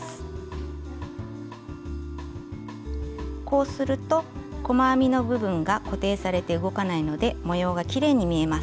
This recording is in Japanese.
こうすると細編みの部分が固定されて動かないので模様がきれいに見えます。